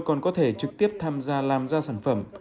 còn có thể trực tiếp tham gia làm ra sản phẩm